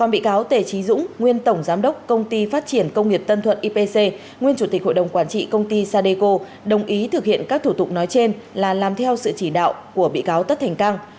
bị cáo tề trí dũng nguyên tổng giám đốc công ty phát triển công nghiệp tân thuận ipc nguyên chủ tịch hội đồng quản trị công ty sadeco đồng ý thực hiện các thủ tục nói trên là làm theo sự chỉ đạo của bị cáo tất thành cang